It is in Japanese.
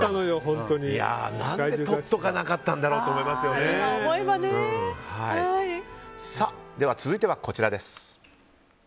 何でとっておかなかったんだろうとでは続いては、こちらです。